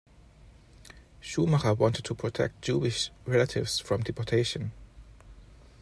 Schumacher wanted to protect Jewish relatives from deportation.